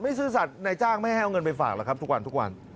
ไม่ซื่อสัตย์นายจ้างไม่ให้เอาเงินไปฝากละครับทุกวัน